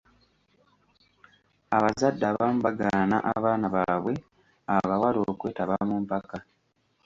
Abazadde abamu bagaana abaana baabwe abawala okwetaba mu mpaka.